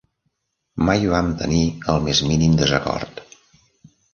Mai vam tenir el més mínim desacord.